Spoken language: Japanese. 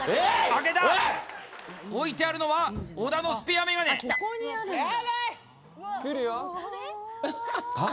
置いてあるのは小田のスペアメガネはあ？